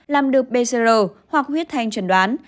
làm được pcr hoặc huyết thanh chuẩn đoán